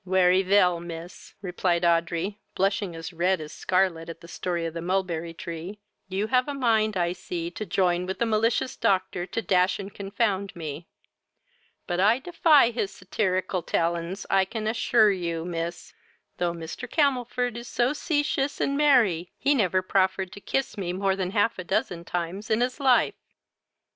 "Wery vell, miss, (replied Audrey, blushing as red as scarlet at the story of the mulberry tree,) you have a mind I see to join with the malicious doctor to dash and confound me; but I defy his satarical talons, and can ashure you, miss, though Mr. Camelfor is so cetious and merry, he never proffered to kiss me more than half a dozen times in his life."